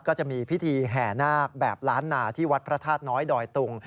ก็จะมีพิธีแห่นาคแบบล้านนาที่วัดพระธาตุน้อยดอยตุง